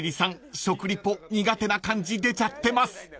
食リポ苦手な感じ出ちゃってます］